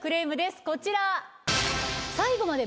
こちら。